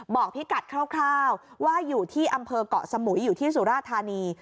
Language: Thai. บอกพี่กัดคร่าวว่าอยู่ที่อำเภอกเกาะสมุยอยู่ที่สุราธานี